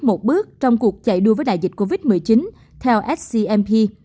một bước trong cuộc chạy đua với đại dịch covid một mươi chín theo scmp